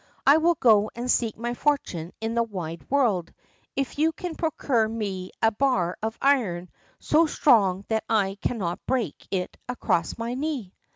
I will go and seek my fortune in the wide world, if you can procure me a bar of iron so strong that I cannot break it across my knee."